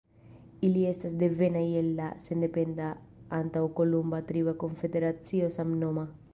Ili estas devenaj el la sendependa antaŭkolumba triba konfederacio samnoma.